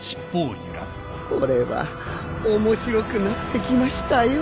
これは面白くなってきましたよ。